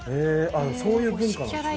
あっそういう文化なんですね。